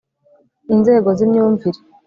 inzego z'imyumvire